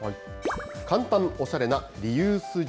簡単おしゃれなリユース術。